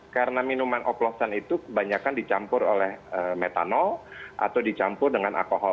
karena minuman oplosan itu kebanyakan dicampur oleh metanol atau dicampur dengan alkohol